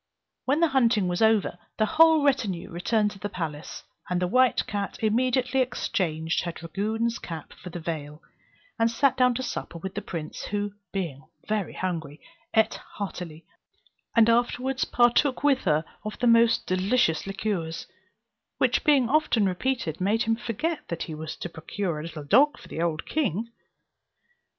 When the hunting was over, the whole retinue returned to the palace; and the white cat immediately exchanged her dragoon's cap for the veil, and sat down to supper with the prince, who, being very hungry, ate heartily, and afterwards partook with her of the most delicious liqueurs, which being often repeated made him forget that he was to procure a little dog for the old king.